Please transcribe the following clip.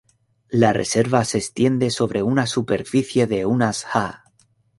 La reserva se extiende sobre una superficie de unas ha.